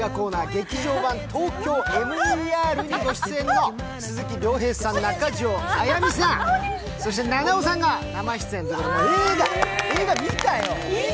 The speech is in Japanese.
「劇場版ＴＯＫＹＯＭＥＲ」にご出演の鈴木亮平さん、中条あやみさん、そして菜々緒さんが生出演ということで、映画見たよ！